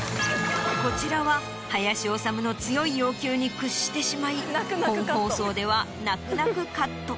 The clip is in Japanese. こちらは林修の強い要求に屈してしまい本放送では泣く泣くカット。